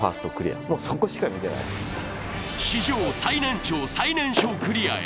史上最年長、最年少クリアへ。